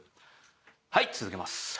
はい続けます。